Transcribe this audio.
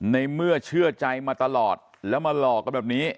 ในเมื่อเชื่อใจมาตลอดแล้วมาหลอกกันแบบนี้